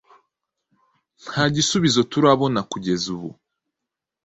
nta gisubizo turabona kugeza ubu.